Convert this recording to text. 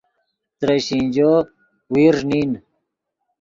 ترے شینجو ویرݱ نین